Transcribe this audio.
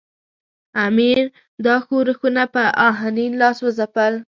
امیر دا ښورښونه په آهنین لاس وځپل.